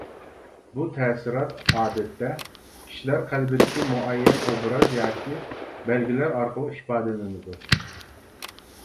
بۇ تەسىرات، ئادەتتە، كىشىلەر قەلبىدىكى مۇئەييەن ئوبراز ياكى بەلگىلەر ئارقىلىق ئىپادىلىنىدۇ.